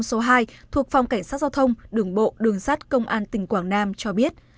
số hai thuộc phòng cảnh sát giao thông đường bộ đường sát công an tỉnh quảng nam cho biết